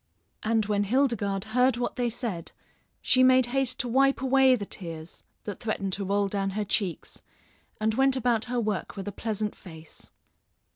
And when Hildegarde heard what they said she made haste to wipe away the tears that threatened to roll down her cheeks, and went about her work with a pleasant face.